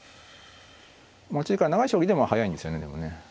持ち時間長い将棋でも速いんですよねでもね。